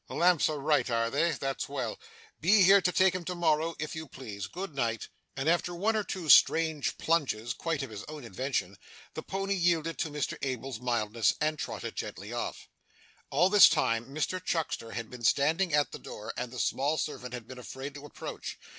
The lamps are right, are they? That's well. Be here to take him to morrow, if you please. Good night!' And, after one or two strange plunges, quite of his own invention, the pony yielded to Mr Abel's mildness, and trotted gently off. All this time Mr Chuckster had been standing at the door, and the small servant had been afraid to approach.